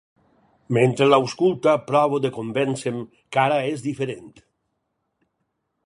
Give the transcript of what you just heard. Mentre l'ausculta provo de convènce'm que ara és diferent.